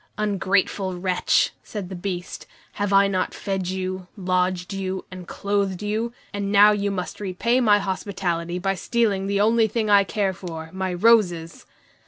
"Ungrateful wretch!" said the Beast. "Have I not fed you, lodged you, and clothed you, and now you must repay my hospitality by stealing the only thing I care for, my roses?"